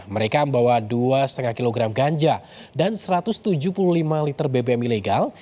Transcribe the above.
mereka membawa dua lima kg ganja dan satu ratus tujuh puluh lima liter bbm ilegal